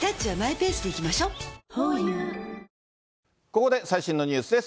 ここで最新のニュースです。